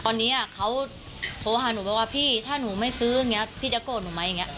ตอนนี้เขาโทรหาหนูบอกว่าพี่ถ้าหนูไม่ซื้อพี่จะโกรธหนูไหม